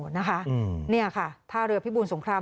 นี่ค่ะท่าเรือพิบูรสงคราม